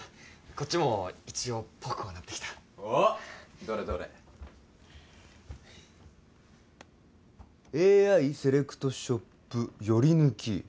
こっちも一応ぽくはなってきたおっどれどれ「ＡＩセレクトショップヨリヌキ」